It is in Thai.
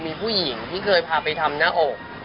มีผู้หญิงที่เคยพาไปทำหน้าอก